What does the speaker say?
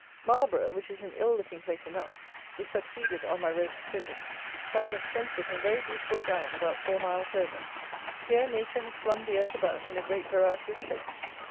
MARLBOROUGH, which is an ill looking place enough, is succeeded, on my road to SWINDON, by an extensive and very beautiful down about 4 miles over. Here nature has flung the earth about in a great variety of shapes.